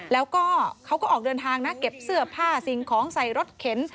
แล้วก็เขาก็ออกเดินทางนะเก็บเสื้อผ้าสิ่งของใส่รถเข็น